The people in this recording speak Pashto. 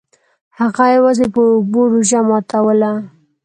هغه یوازې په اوبو روژه ماتوله.